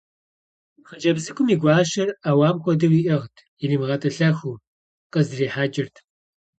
Хъыджэбз цӏыкӏум и гуащэр ӏэуам хуэдэу иӏыгът, иримыгъэтӏылъэху къыздрихьэкӏырт.